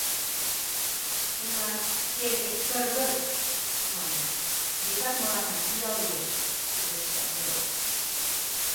— Уна, керге кыр-кыр манеш, векат мыланна пиал лиеш, — пелешта тудо.